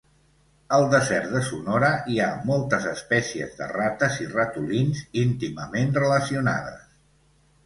Al desert de Sonora hi ha moltes espècies de rates i ratolins íntimament relacionades.